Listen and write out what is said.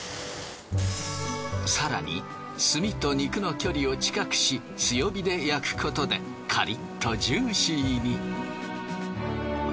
更に炭と肉の距離を近くし強火で焼くことでカリッとジューシーに。